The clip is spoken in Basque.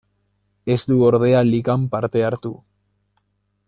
Ez du ordea Ligan parte hartu.